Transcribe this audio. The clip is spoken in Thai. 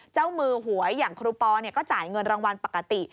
เจ้ามือหวยอย่างครูปอก็จ่ายเงินรางวัลปกติ